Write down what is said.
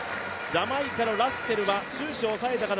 ジャマイカのラッセルは終始抑えた形。